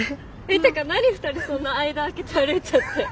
てか何２人そんな間空けて歩いちゃって。